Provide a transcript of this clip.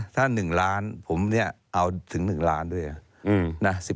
ถ้า๑ล้านผมเนี่ยเอาถึง๑ล้านด้วยนะ